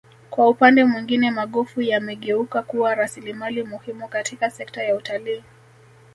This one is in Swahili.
kwa upande mwingine magofu yamegeuka kuwa rasilimali muhimu katika sekta ya utalii